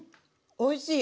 おいしい！